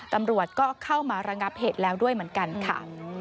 ตำรวจก็เข้ามาระงับเหตุแล้วด้วยเหมือนกันค่ะ